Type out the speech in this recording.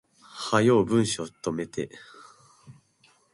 早う文章溜めて